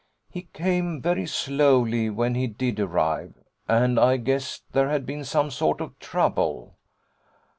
He came very slowly when he did arrive, and I guessed there had been some sort of trouble.